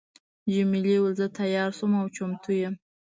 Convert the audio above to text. جميلې وويل: زه تیاره شوم او چمتو یم.